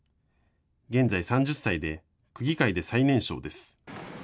現在３０歳で区議会で最年少です。